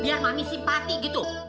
biar mami simpati gitu